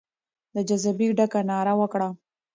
د جذبې ډکه ناره وکړه.